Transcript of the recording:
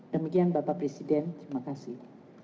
demikian bapak presiden terima kasih